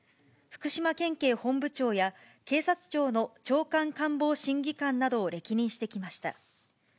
福島県警本部長や、警察庁の長官官房審議官などを歴任してきました。